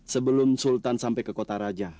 sebelum sultan sampai ke kota raja